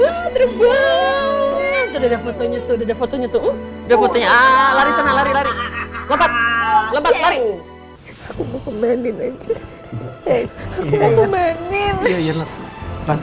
udah fotonya lari sana lari